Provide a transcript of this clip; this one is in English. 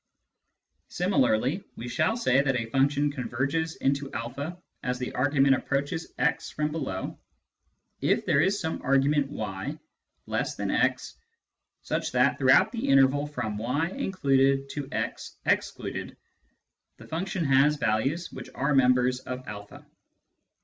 Similarly we shall say that a function " converges into a as the argument approaches x from below " if there is some argument y less than x such that throughout the interval from y (included) to x (excluded) the function has values which are members of a.